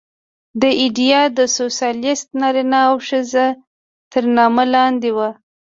دا ایډیا د سوسیالېست نارینه او ښځه تر نامه لاندې وه